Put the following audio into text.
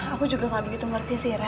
aku juga gak begitu ngerti sih